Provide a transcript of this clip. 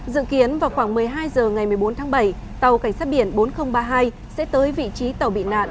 dự kiến vào khoảng một mươi hai h ngày một mươi bốn tháng bảy tàu cảnh sát biển bốn nghìn ba mươi hai sẽ tới vị trí tàu bị nạn